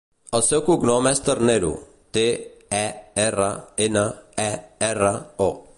El seu cognom és Ternero: te, e, erra, ena, e, erra, o.